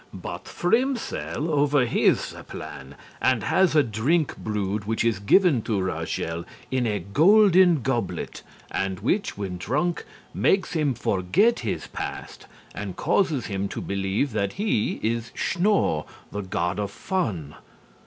But Frimsel overhears the plan and has a drink brewed which is given to Ragel in a golden goblet and which, when drunk, makes him forget his past and causes him to believe that he is Schnorr, the God of Fun.